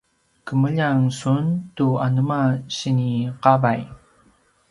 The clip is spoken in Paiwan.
kemeljang sun tu anema sini qavay?